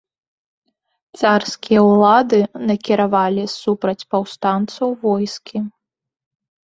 Царскія ўлады накіравалі супраць паўстанцаў войскі.